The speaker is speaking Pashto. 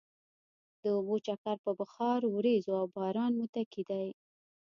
د اوبو چکر په بخار، ورېځو او باران متکي دی.